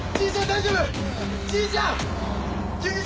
大丈夫？